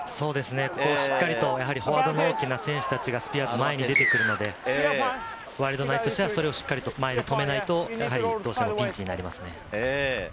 しっかりとフォワードの大きな選手たちがスピアーズは前に出てくるので、ワイルドナイツとしては止めないと、どうしてもピンチになりますね。